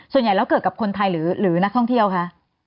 ส่วนใหญ่แล้วเกิดกับคนไทยหรือนักท่องเที่ยวคะ